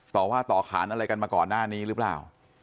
ต่อว่าต่อขานอะไรกันมาก่อนหน้านี้หรือเปล่า